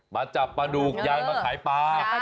จับปลาดุกยายมาขายปลา